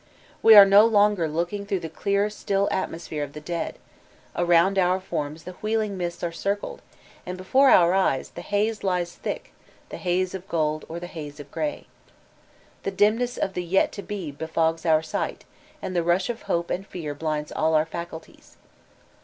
We are no longer looking through the clear still atmosphere of the dead: around our forms the wheeling mists are circled, and before our eyes the haze lies thick — the haze of gold or the haze of gray. The dimness of the "yet to be" befogs our sight, and the rush of hope and fear blinds all our faculties.